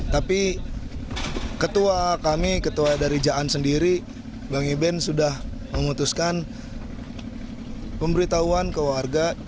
tapi ketua kami ketua dari jaan sendiri bang iben sudah memutuskan pemberitahuan ke warga